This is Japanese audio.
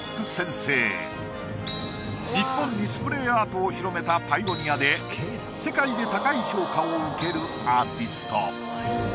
日本にスプレーアートを広めたパイオニアで世界で高い評価を受けるアーティスト。